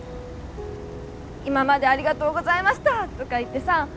「今までありがとうございました」とか言ってさ。